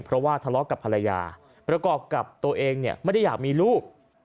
เพราะว่าทะเลาะกับภรรยาประกอบกับตัวเองเนี่ยไม่ได้อยากมีลูก